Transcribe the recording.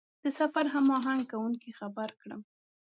د سفر هماهنګ کوونکي خبر کړم.